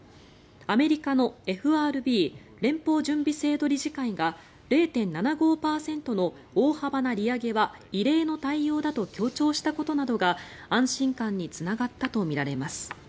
アメリカのＦＲＢ・連邦準備制度理事会が０．７５％の大幅な利上げは異例の対応だと強調したことなどが安心感につながったとみられます。